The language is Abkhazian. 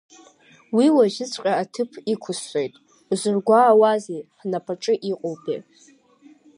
Уи уажәыҵәҟьа аҭыԥ иқәсҵоит, узыргәаауазеи, ҳнапаҿы иҟоупеи.